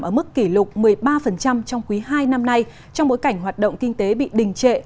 ở mức kỷ lục một mươi ba trong quý hai năm nay trong bối cảnh hoạt động kinh tế bị đình trệ